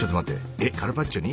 えっカルパッチョに？